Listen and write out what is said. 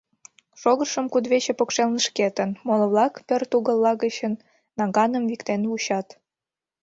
Шогышым кудывече покшелне шкетын, моло-влак пӧрт угылла гыч наганым виктен вучат.